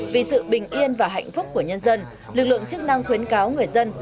vì sự bình yên và hạnh phúc của nhân dân lực lượng chức năng khuyến cáo người dân